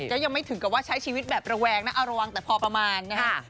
แต่จะยังไม่ถึงกับว่าใช้ชีวิตแบบระแวงระวังแต่พอประมาณ